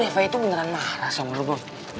jadi reva itu beneran marah sama ruben